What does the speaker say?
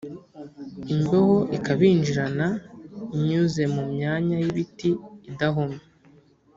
imbeho ikabinjirana nyuze mu myanya y’ibiti idahomye